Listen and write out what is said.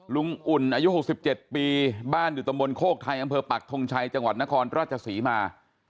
ลุงอุ่นอายุหกสิบเจ็ดปีบ้านอยู่ตรงบนโคกไทยอำเภอปรักษ์ทรงชัยจังหวัดนครราชสีมา